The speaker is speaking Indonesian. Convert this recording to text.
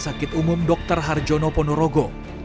di rumah sakit umum dokter harjono ponorogo